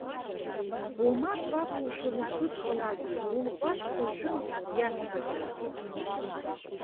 Омак лакәушәа узлыдхалазеи, улҟәаҵ ҳәа шәынтә иасҳәахьеит.